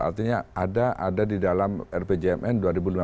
artinya ada di dalam rpjmn dua ribu lima belas dua ribu sembilan belas